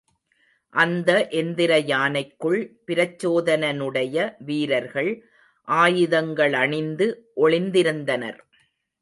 அந்த எந்திர யானைக்குள் பிரச்சோதனனுடைய வீரர்கள் ஆயுதங்களணிந்து ஒளிந்திருந்தனர்.